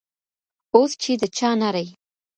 اوس چي د چا نرۍ